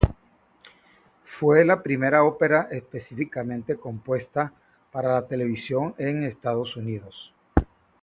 Fue la primera ópera específicamente compuesta para la televisión en Estados Unidos.